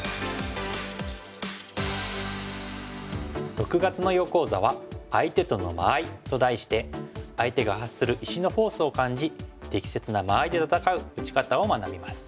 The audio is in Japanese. ６月の囲碁講座は「相手との間合い」と題して相手が発する石のフォースを感じ適切な間合いで戦う打ち方を学びます。